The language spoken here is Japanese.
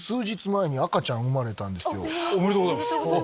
おめでとうございます。